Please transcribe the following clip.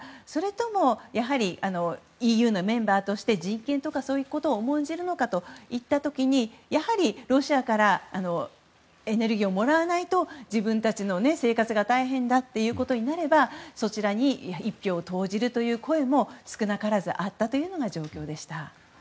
それともＥＵのメンバーとして人権などを重んじるのかといった時にやはり、ロシアからエネルギーをもらわないと自分たちの生活が大変だということになればそちらに一票を投じるという声も少なからずあったというのが状況でした。